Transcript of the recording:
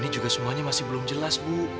ini juga semuanya masih belum jelas bu